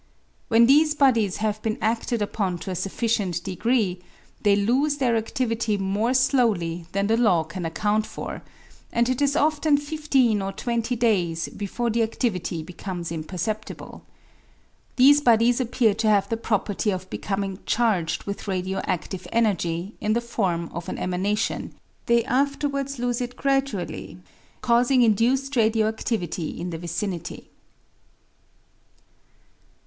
When these bodies have been aded upon to a sufficient degree, they lose their adivity more slowly than the law can account for, and it is often fifteen or twenty days before the adivity becomes imperceptible. These bodies appear to have the property of becoming charged with radio adive energy in the form of an emanation ; they afterwards lose it gradually, causing induced radio adivity in the vicinity.